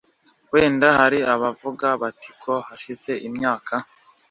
Wenda hari abavuga bati ko hashize imyaka